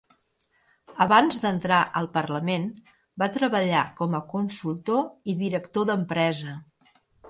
Abans d'entrar al Parlament, va treballar com a consultor i director d'empresa.